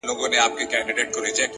گراني خبري سوې د وخت ملكې ؛